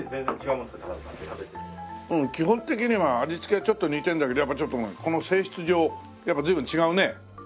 基本的には味付けはちょっと似てるんだけどやっぱちょっとこの性質上やっぱ随分違うね。